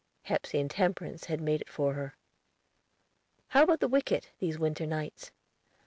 Hepsey and Temperance had made it for her. "How about the wicket, these winter nights?"